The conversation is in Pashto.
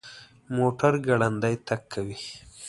موټر ګړندی تګ کوي